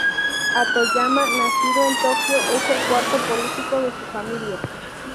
Hatoyama, nacido en Tokio, es el cuarto político de su familia.